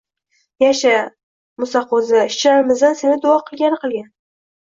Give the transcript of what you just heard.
– Yasha, Mo‘saqo‘zi! Ishchilarimizam seni duo qilgani qilgan